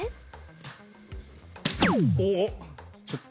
おっ！